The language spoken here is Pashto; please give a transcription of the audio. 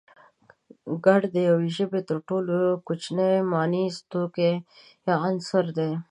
گړ د يوې ژبې تر ټولو کوچنی مانيز توکی يا عنصر دی